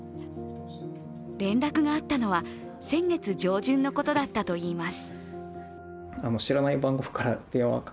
連絡があったのは先月上旬のことだったといいます。